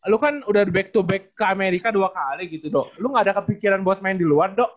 lu kan udah back to back ke amerika dua kali gitu do lu enggak ada kepikiran buat main di luar do